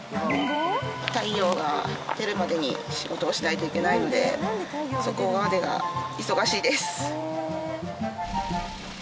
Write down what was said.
大陽が出るまでに仕事をしないといけないのでそこまでが忙しいです。